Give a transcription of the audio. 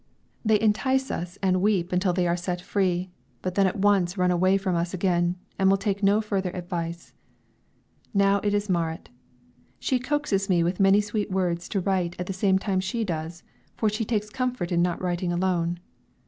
They entice us and weep until they are set free, but then at once run away from us again, and will take no further advice. Now it is Marit; she coaxes me with many sweet words to write at the same time she does, for she takes comfort in not writing alone.